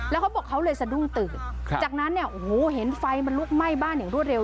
แล้วเขาบอกเขาเลยสะดุ้งตื่นจากนั้นเนี่ยโอ้โหเห็นไฟมันลุกไหม้บ้านอย่างรวดเร็